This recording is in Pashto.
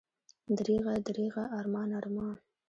دریغه، دریغه، ارمان، ارمان!